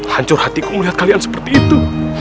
hancur hatiku melihat kalian seperti itu